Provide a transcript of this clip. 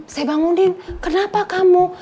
saya bangunin kenapa kamu